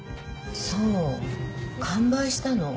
そう完売したの。